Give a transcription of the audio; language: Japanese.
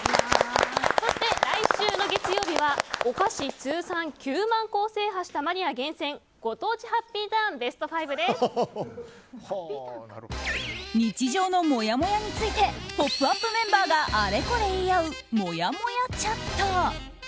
そして、来週の月曜日はお菓子通算９万個を制覇したマニア厳選ご当地ハッピーターン日常のもやもやについて「ポップＵＰ！」メンバーがあれこれ言い合うもやもやチャット。